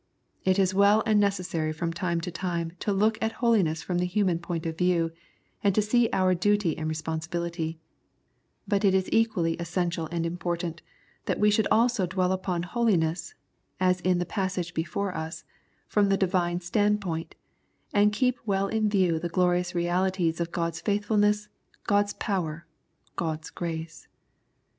It is well and necessary from time to time to look at holiness from the human point of view, and to see our duty and responsibility ; but it is equally essential and important that we should also dwell upon holiness, as in the passage before us, from the Divine standpoint, and keep well in view the glorious realities of God's faithfulness, God's power, God's grace.